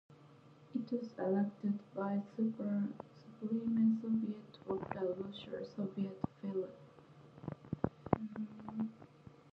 It was elected by the Supreme Soviet of the Russian Soviet Federative Socialist Republic.